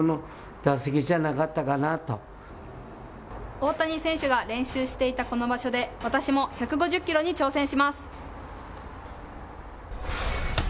大谷選手が練習していたこの場所で、私も１５０キロに挑戦します。